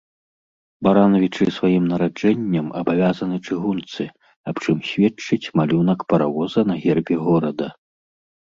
Баранавічы сваім нараджэннем абавязаны чыгунцы, аб чым сведчыць малюнак паравоза на гербе горада.